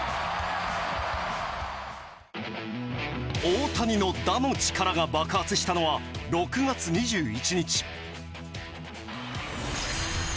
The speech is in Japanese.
大谷の「打」の力が爆発したのは６月２１日。